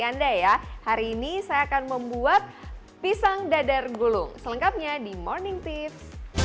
anda ya hari ini saya akan membuat pisang dadar gulung selengkapnya di morning tips